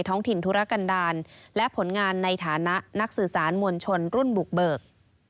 ท้องถิ่นธุรกันดาลและผลงานในฐานะนักสื่อสารมวลชนรุ่นบุกเบิก